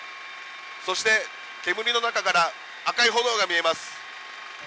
そして煙の中から赤い炎が見えます。